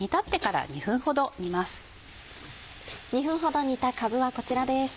２分ほど煮たかぶはこちらです。